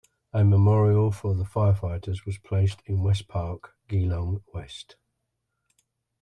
A memorial for the firefighters was placed in West Park, Geelong West.